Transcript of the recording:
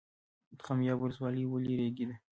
خمیاب ولسوالۍ ولې ریګي ده؟